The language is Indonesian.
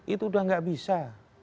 itu udah nggak bisa